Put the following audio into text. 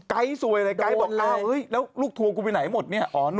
ไก๊นี่ซวยเลยไก๊บอกแล้วลูกทัวร์กูไปไหนหมดนี่